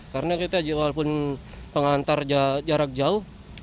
karena kita walaupun pengantar jarak jauh